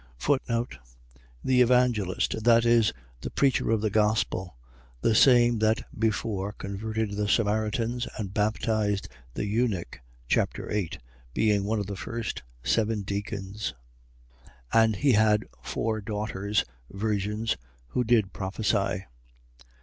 The evangelist. . .That is, the preacher of the gospel; the same that before converted the Samaritans, and baptized the eunuch, chap. 8., being one of the first seven deacons. 21:9. And he had four daughters, virgins, who did prophesy.